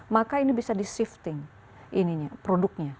maka ini bisa di shifting produknya